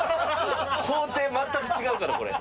行程全く違うからこれ。